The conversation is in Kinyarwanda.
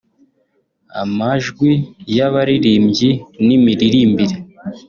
amajwi y’abarirmbyi n’imiririmbire